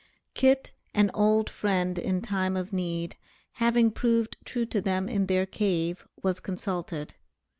Kit, an old friend in time of need, having proved true to them in their cave, was consulted.